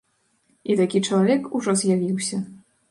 І такі чалавек ужо з'явіўся.